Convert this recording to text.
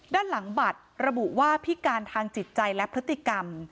ด้านหลังบัตรระบุว่าพิการทางจิตใจและพฤติกรรม